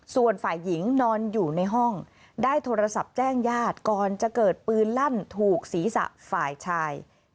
ส่วนฝ่ายหญิงนอนอยู่ในห้องได้โทรศัพท์แจ้งญาติก่อนจะเกิดปืนลั่นถูกศีรษะฝ่ายชาย